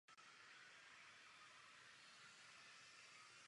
Architektura počítače je konkrétní způsob realizace počítače.